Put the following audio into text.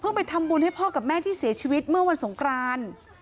ไปทำบุญให้พ่อกับแม่ที่เสียชีวิตเมื่อวันสงคราน